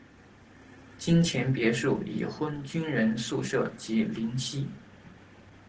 金钱别墅已婚军人宿舍及林夕。